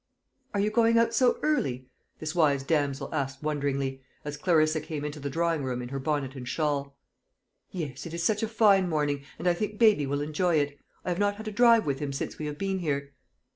"Are you going out so early?" this wise damsel asked wonderingly, as Clarissa came into the drawing room in her bonnet and shawl. "Yes, it is such a fine morning, and I think baby will enjoy it. I have not had a drive with him since we have been here."